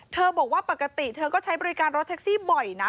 บอกว่าปกติเธอก็ใช้บริการรถแท็กซี่บ่อยนะ